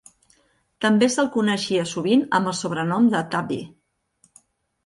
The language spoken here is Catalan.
També se'l coneixia sovint amb el sobrenom de "Tubby".